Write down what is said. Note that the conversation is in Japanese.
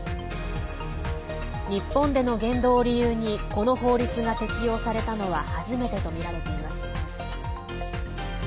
日本での言動を理由にこの法律が適用されたのは初めてとみられています。